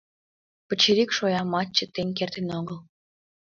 — Пычырик шоямат чытен кертын огыл.